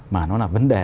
mà nó là vấn đề